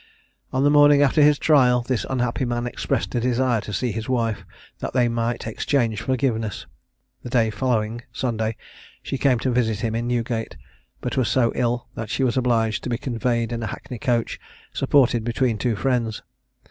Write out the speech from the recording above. On the morning after his trial, this unhappy man expressed a desire to see his wife, that they might exchange forgiveness. The day following (Sunday) she came to visit him in Newgate, but was so ill that she was obliged to be conveyed in a hackney coach, supported between two friends.